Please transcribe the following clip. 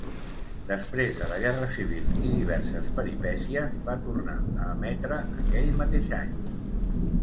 Després de la guerra civil i diverses peripècies va tornar a emetre aquell mateix any.